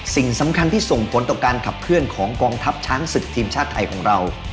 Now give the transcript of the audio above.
สิ่งสำคัญที่ส่งผลต่อการขับเคลื่อนของกองทัพช้างศึกทีมชาติไทยของเรา